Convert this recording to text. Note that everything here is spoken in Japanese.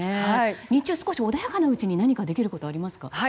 日中、少し穏やかなうちに何かできることはありますか？